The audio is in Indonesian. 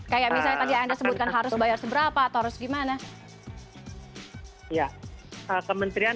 kayak misalnya tadi anda sebutkan harus bayar seberapa atau harus gimana